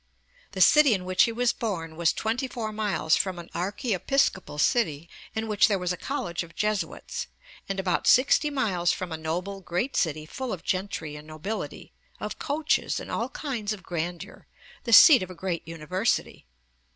The city in which he was born was twenty four miles from an archiepiscopal city in which there was a college of Jesuits (p. 67), and about sixty miles from 'a noble great city full of gentry and nobility, of coaches, and all kinds of grandeur,' the seat of a great university (pp.